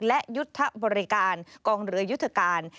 และยุทธบริการ